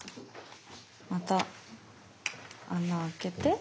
また穴あけて。